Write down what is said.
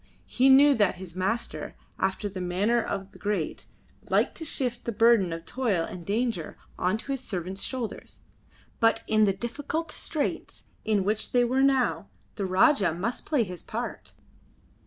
He knew that his master, after the manner of the great, liked to shift the burden of toil and danger on to his servants' shoulders, but in the difficult straits in which they were now the Rajah must play his part.